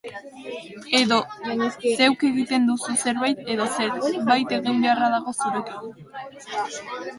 Edo zeuk egiten duzu zerbait, edo zerbait egin beharra dago zurekin.